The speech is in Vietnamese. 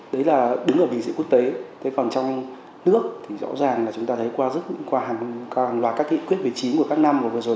đấy là đứng ở bình dị quốc tế còn trong nước thì rõ ràng là chúng ta thấy qua rất nhiều loạt các hệ quyết vị trí của các năm vừa rồi